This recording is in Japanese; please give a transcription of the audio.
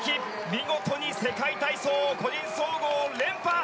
見事に世界体操個人総合連覇。